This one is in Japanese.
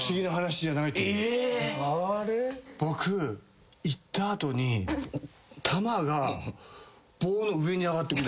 僕いった後に玉が棒の上に上がってくる。